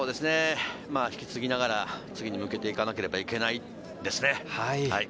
引き継ぎながら次に向けていかなければいけないですね。